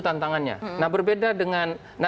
tantangannya nah berbeda dengan